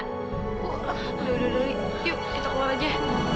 yaudah yaudah yuk kita keluar aja